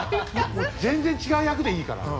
全然違う役でいいから。